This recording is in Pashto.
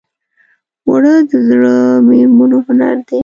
اوړه د زړو مېرمنو هنر دی